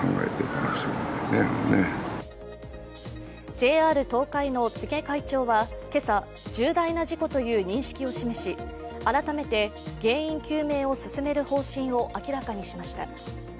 ＪＲ東海の拓植会長は今朝、重大な事故という認識を示し改めて原因究明を進める方針を明らかにしました。